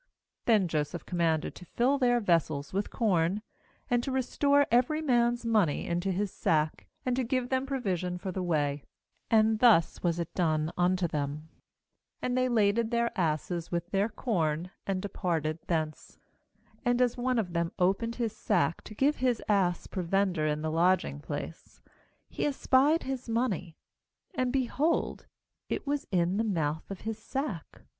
25Then Joseph commanded to fill their vessels with corn, and to restore every man's money into his sack, and to give them provision for the way; and thus was it done unto them. ^And they laded their asses with their corn, and de parted thence. 27And as one of them opened his sack to give his ass prov ender in the lodging place, he espied his money; and, behold, it was in the mouth of his sack.